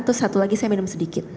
terus satu lagi saya minum sedikit